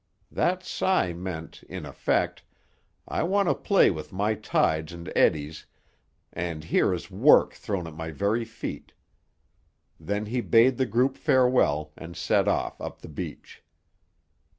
That sigh meant, in effect, "I wanted to play with my tides and eddies, and here is work thrown at my very feet!" Then he bade the group farewell, and set off up the beach.